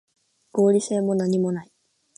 合理性もなにもない